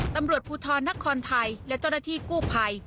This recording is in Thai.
ตำรวจภูทรนครไทยและเจ้าหน้าที่กู้ภัย